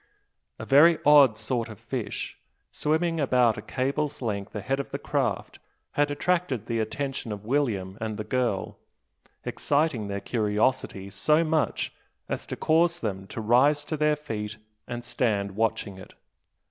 A very odd sort of fish, swimming about a cable's length ahead of the craft, had attracted the attention of William and the girl, exciting their curiosity so much as to cause them to rise to their feet and stand watching it.